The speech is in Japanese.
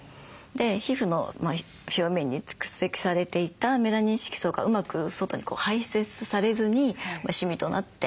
で皮膚の表面に蓄積されていたメラニン色素がうまく外に排出されずにシミとなって残る。